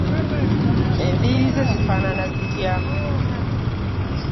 Enviiri ze zifaanana zitya?